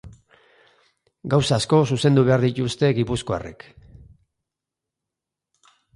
Gauza asko zuzendu behar dituzte gipuzkoarrek.